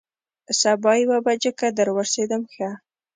سبا یوه بجه که در ورسېدم، ښه.